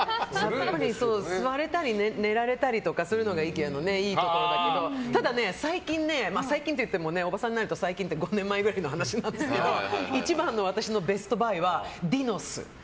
座れたり寝れたりするのがＩＫＥＡのいいところだけどただ、最近ね、最近って言ってもおばさんになると、最近は５年前ぐらいの話なんですけど一番の私のベストバイはディノス。